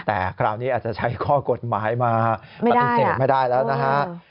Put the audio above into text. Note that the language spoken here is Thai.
แต่คราวนี้อาจจะใช้ข้อกฎหมายมาปฏิเสธไม่ได้แล้วนะฮะ